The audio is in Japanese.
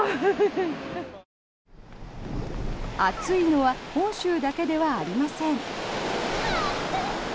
暑いのは本州だけではありません。